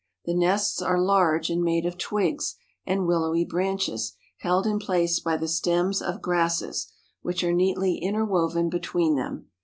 The nests are large and made of twigs and willowy branches held in place by the stems of grasses, which are neatly interwoven between them.